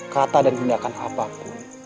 kata dan hindakan apapun